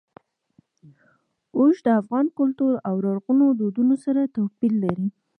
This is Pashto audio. اوښ د افغان کلتور او لرغونو دودونو سره تړاو لري.